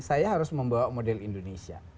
saya harus membawa model indonesia